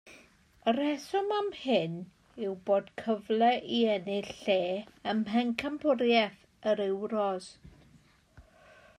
Y rheswm am hyn yw bod cyfle i ennill lle ym mhencampwriaeth yr Ewros.